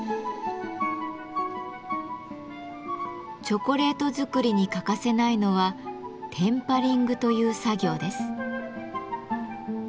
チョコレート作りに欠かせないのは「テンパリング」という作業です。